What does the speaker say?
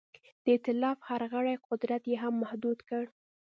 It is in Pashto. د ایتلاف د هر غړي قدرت یې هم محدود کړ.